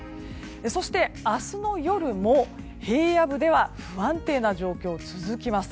そして、明日の夜も平野部では不安定な状況が続きます。